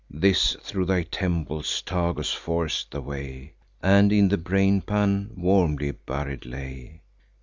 This thro' thy temples, Tagus, forc'd the way, And in the brainpan warmly buried lay.